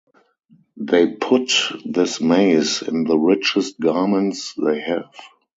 They put this maize in the richest garments they have.